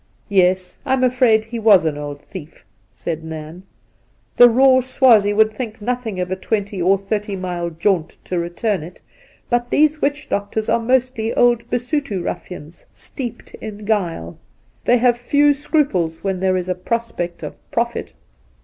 ' Yes ; I'm afraid he was an old thief,' said Nairn. ' The raw Swazie would think nothing of a twenty or thirty mile jaunt to return it ; but these witch doctors are mostly old Basuto ruffians, steeped in guile. They have few scruples when there is a prospect of profit.'